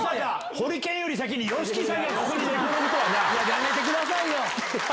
ホリケンより先に、ＹＯＳＨＩＫＩさんがここに寝転ぶとはな。やめてくださいよ。